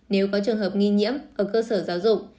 nếu có trường hợp nghi nhiễm ở cơ sở giáo dục